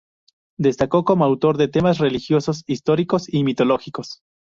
Destacó como autor de temas religiosos, históricos y mitológicos.